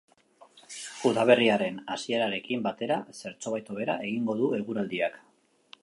Udaberriaren hasierarekin batera, zertxobait hobera egingo du eguraldiak.